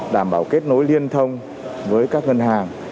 đảm bảo kết nối liên thông với các ngân hàng